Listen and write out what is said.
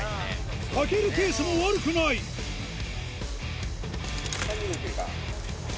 かけるペースも悪くない３０秒経過。